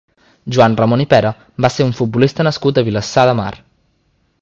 Joan Ramon i Pera va ser un futbolista nascut a Vilassar de Mar.